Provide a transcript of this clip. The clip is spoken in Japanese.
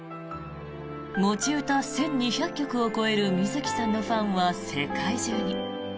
持ち歌１２００曲を超える水木さんのファンは世界中に。